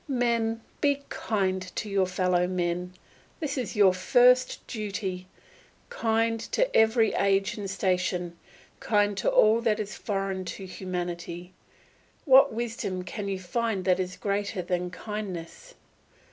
Men, be kind to your fellow men; this is your first duty, kind to every age and station, kind to all that is not foreign to humanity. What wisdom can you find that is greater than kindness?